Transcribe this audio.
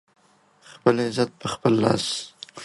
خپل عزت په خپل لاس